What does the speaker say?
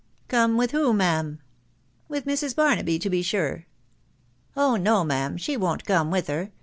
" Come with who, ma'am?" —" With Mrs. Barnaby, to be sure." " Oh no, ma'am ! she won't come with her.